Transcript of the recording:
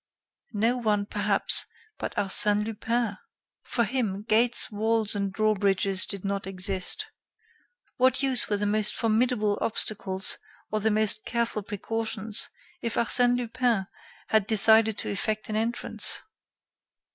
No one, perhaps, but Arsène Lupin! For him, gates, walls and drawbridges did not exist. What use were the most formidable obstacles or the most careful precautions, if Arsène Lupin had decided to effect an entrance?